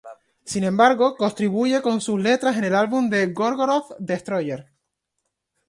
Sin embargo, contribuye con sus letras en el álbum de Gorgoroth, "Destroyer".